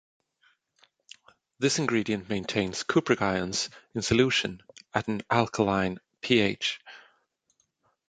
This ingredient maintains cupric ions in solution at an alkaline pH.